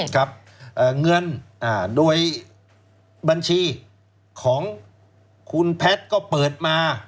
ครับเงินโดยบัญชีของคุณแพทย์ก็เปิดมา